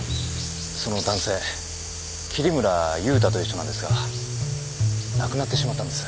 その男性桐村祐太という人なんですが亡くなってしまったんです。